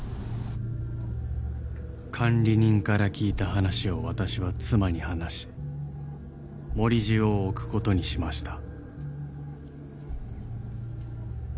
［管理人から聞いた話を私は妻に話し盛り塩を置くことにしました］